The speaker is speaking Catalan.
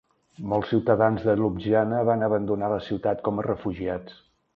Molts ciutadans de Ljubljana van abandonar la ciutat com a refugiats.